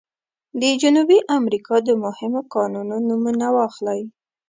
د جنوبي امریکا د مهمو کانونو نومونه واخلئ.